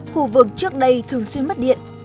khu vực trước đây thường xuyên mất điện